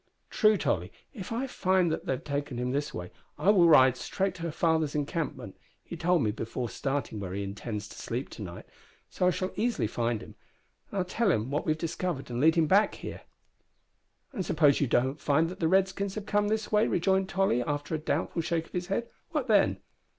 "True, Tolly. If I find that they have taken him this way I will ride straight to father's encampment he told me before starting where he intends to sleep to night, so I shall easily find him tell him what we have discovered and lead him back here." "And suppose you don't find that the Redskins have come this way," rejoined Tolly, after a doubtful shake of his head, "what then?"